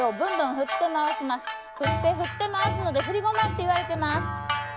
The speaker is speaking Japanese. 振って振って回すので振り独楽っていわれてます。